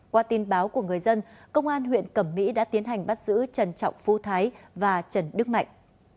qua tin báo của người dân công an huyện cẩm mỹ đã tiến hành bắt giữ trần trọng phu thái và trần đức mạnh